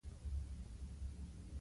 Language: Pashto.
ښوروا د کورنۍ د مېز خوږ خوند دی.